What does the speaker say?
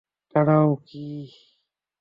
দাঁড়াও, কী?